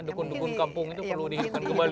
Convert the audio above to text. dukun dukun kampung itu perlu diingatkan kembali